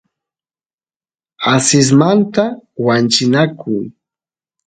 asismanta wanchinaku